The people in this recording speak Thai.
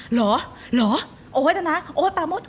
หรอโอ๊ดน่ะโอ๊ดตามโอ๊ด